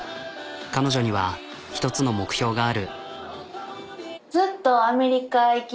彼女には１つの目標がある。